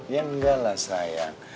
ya enggak lah sayang